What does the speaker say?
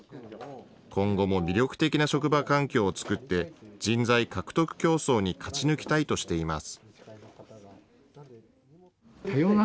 今後も魅力的な職場環境を作って、人材獲得競争に勝ち抜きたいとしています。